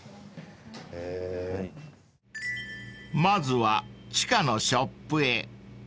［まずは地下のショップへ］